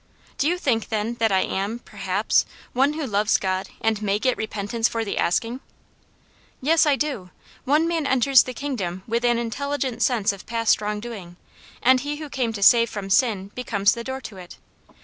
" Do you think, then, that I am, perhaps, one who loves God, and may get repentance for the asking ?"" Yes, I do. One man enters the kingdom with an intelligent sense of past wrong doing, and He who came to save from sin becomes the door to it.